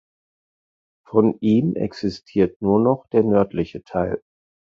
Von ihm existiert nur noch der nördliche Teil.